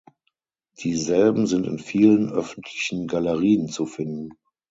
Dieselben sind in vielen öffentlichen Galerien zu finden.